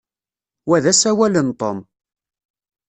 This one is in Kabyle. Wa d asawal n Tom.